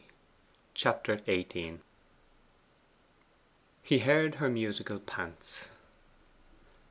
Chapter XVIII 'He heard her musical pants.